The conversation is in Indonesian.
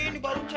ini baru cek